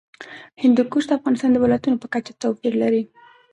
هندوکش د افغانستان د ولایاتو په کچه توپیر لري.